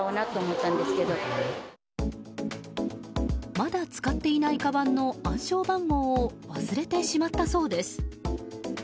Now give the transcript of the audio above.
まだ使っていないかばんの暗証番号を忘れてしまったそうです。